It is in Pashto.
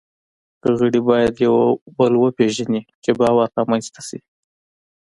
غړي باید یو بل وپېژني، چې باور رامنځ ته شي.